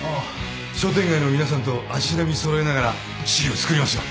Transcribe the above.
商店街の皆さんと足並み揃えながら資料を作りますよ。